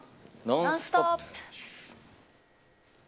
「ノンストップ！」。